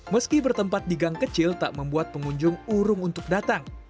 meski bertempat di gang kecil tak membuat pengunjung urung untuk datang